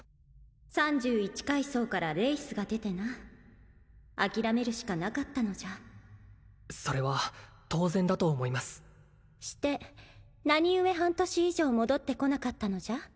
三十一階層からレイスが出てな諦めるしかなかったのじゃそれは当然だと思いますして何故半年以上戻ってこなかったのじゃ？